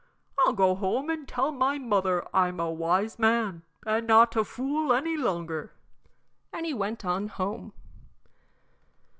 I'll go home and tell my mother I'm a wise man and not a fool any longer." And he went on home.